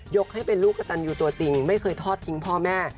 ให้เป็นลูกกระตันยูตัวจริงไม่เคยทอดทิ้งพ่อแม่